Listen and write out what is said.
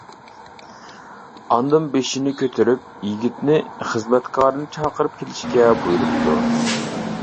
ئاندىن بېشىنى كۆتۈرۈپ يىگىتنى خىزمەتكارنى چاقىرىپ كېلىشكە بۇيرۇپتۇ.